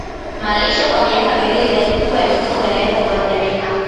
malisho kwa miaka miwili Idadi kubwa ya mifugo inaweza kuathirika